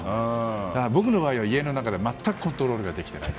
僕の場合は家の中で全くコントロールできてない。